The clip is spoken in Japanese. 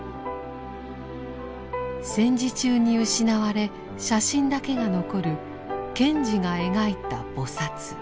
戦時中に失われ写真だけが残る賢治が描いた菩。